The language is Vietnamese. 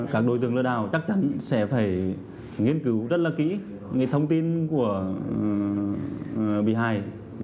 các đối tượng lừa đảo chắc chắn sẽ phải nghiên cứu rất là kỹ thông tin của bị hại